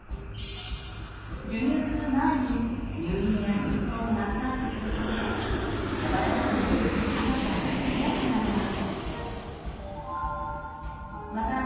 授乳する前に乳輪や乳頭をマッサージすることで柔らかくなり赤ちゃんが飲みやすくなります。